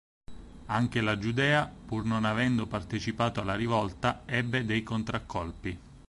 Anche la Giudea, pur non avendo partecipato alla rivolta, ebbe dei contraccolpi.